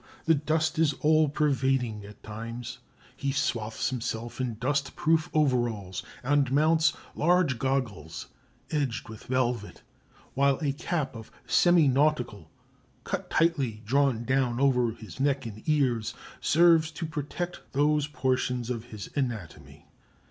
The dust is all pervading at times; he swathes himself in dust proof overalls, and mounts large goggles edged with velvet, while a cap of semi nautical cut tightly drawn down over neck and ears serves to protect those portions of his anatomy.